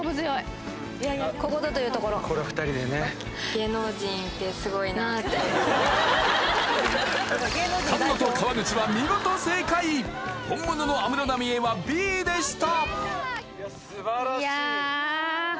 やったー菅野と川口は見事正解本物の安室奈美恵はＢでした